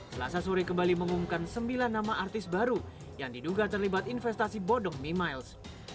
selasa sore kembali mengumumkan sembilan nama artis baru yang diduga terlibat investasi bodong mimiles